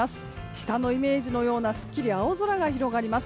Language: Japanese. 下のイメージのようなすっきり青空が広がります。